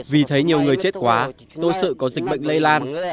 vì thấy nhiều người chết quá tôi sợ có dịch bệnh lây lan